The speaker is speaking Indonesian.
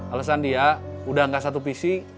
alasan dia udah gak satu visi